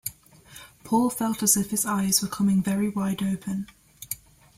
Paul felt as if his eyes were coming very wide open.